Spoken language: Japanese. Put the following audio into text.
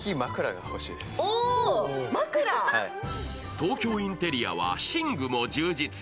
東京インテリアは寝具も充実。